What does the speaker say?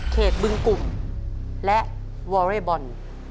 บึงกลุ่มและวอเรย์บอล